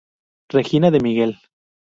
Regina de Miguel